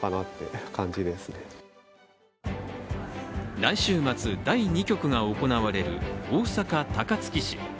来週末、第２局が行われる大阪・高槻市。